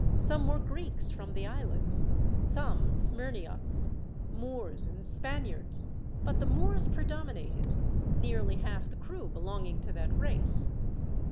Some were Greeks from the islands, some Smyrniots, Moors, and Spaniards; but the Moors predominated, nearly half the crew belonging to that race.